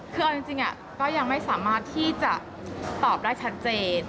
คือเอาจริงก็ยังไม่สามารถที่จะตอบได้ชัดเจน